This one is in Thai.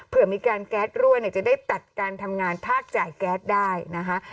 เพื่อมีการแก๊สรั่วจะได้ตัดการทำงานภาคจ่ายแก๊สได้นะคะ